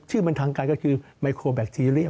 ชื่อบันทังการก็คือไมโครแบคทีเรียม